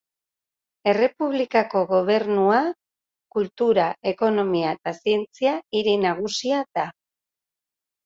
Errepublikako gobernu, kultura, ekonomia eta zientzia hiri nagusia da.